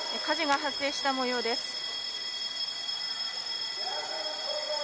火事が発生したもようです。